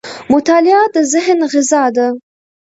• مطالعه د ذهن غذا ده.